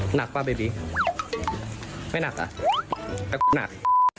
หนักป่ะเบบีไม่หนักอ่ะหนัก